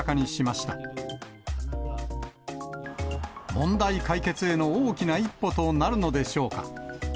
問題解決への大きな一歩となるのでしょうか。